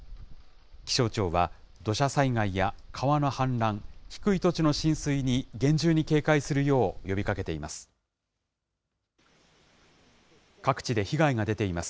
気象庁は、土砂災害や川の氾濫、低い土地の浸水に現状に警戒するよう呼びかけています。